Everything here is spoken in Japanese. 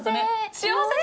幸せ！